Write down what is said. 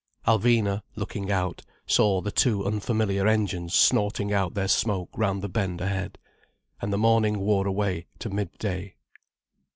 Alvina, looking out, saw the two unfamiliar engines snorting out their smoke round the bend ahead. And the morning wore away to mid day.